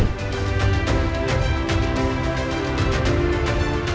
mengawali bulan agustus destri damayanti bergantian dengan